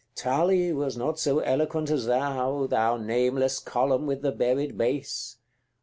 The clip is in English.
CX. Tully was not so eloquent as thou, Thou nameless column with the buried base!